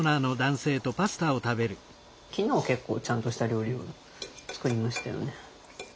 昨日は結構ちゃんとした料理を作りましたよね。